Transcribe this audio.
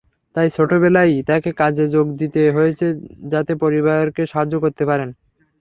তাই ছোটবেলায়ই তাকে কাজে যোগ দিতে হয়েছে যাতে পরিবারকে সাহায্য করতে পারেন।